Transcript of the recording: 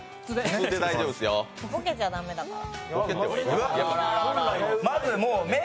ボケちゃ駄目だから。